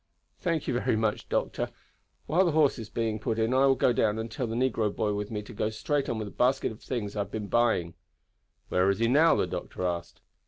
"Thank you very much, doctor. While the horse is being put in I will go down and tell the negro boy with me to go straight on with a basket of things I have been buying." "Where is he now?" the doctor asked.